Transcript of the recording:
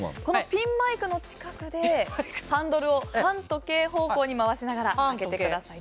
ピンマイクの近くでハンドルを反時計方向に回しながら開けてください。